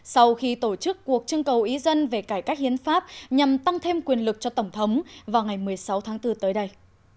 sau khi tổ chức cuộc trưng cầu ý dân về cải cách hiến pháp nhằm tăng thêm quyền lực cho tổng thống vào ngày một mươi sáu tháng bốn tới đây